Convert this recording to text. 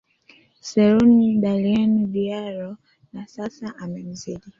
selun dalien diaro na sasa amemzidi